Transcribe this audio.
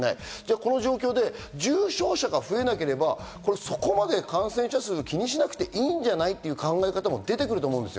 この状況で重症者が増えなければ、そこまで感染者数を気にしなくていいんじゃないっていう考え方も出てくると思うんです。